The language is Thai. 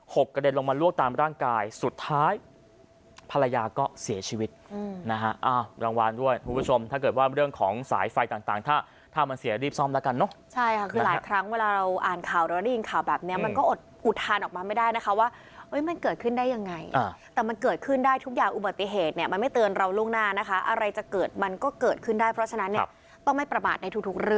หบกระเด็นลงมาลวกตามแบบร่างกายสุดท้าย